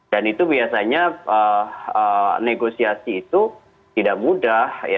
dan itu biasanya negosiasi itu tidak mudah